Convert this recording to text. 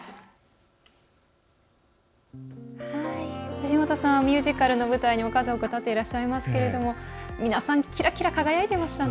藤本さんミュージカルの舞台に数多く立ってらっしゃいますが皆さんきらきら輝いていましたね。